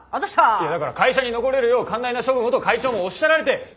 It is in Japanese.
いやだから会社に残れるよう寛大な処分をと会長もおっしゃられて。